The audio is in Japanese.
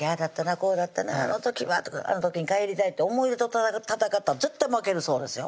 こうだったなあの時はとかあの時に帰りたいって思い出と闘ったら絶対負けるそうですよ